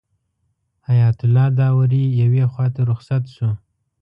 حیات الله داوري یوې خواته رخصت شو.